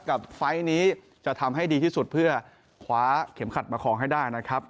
ไฟล์นี้จะทำให้ดีที่สุดเพื่อคว้าเข็มขัดมาคลองให้ได้นะครับ